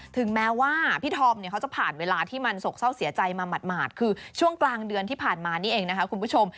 ถึงแม้ว่าพี่ธอมเนี่ยเขาจะผ่านเวลาที่มันโศกเศร้าเสียใจมาหมาดคือช่วงกลางเดือนที่ผ่านมานี่เองนะคะคุณผู้ชม